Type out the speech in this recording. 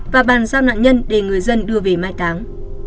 và bàn giao nạn nhân để người dân đưa về mai táng